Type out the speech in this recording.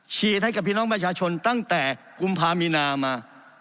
ฉีดให้กับพี่น้องประชาชนตั้งแต่กุมภามีนามา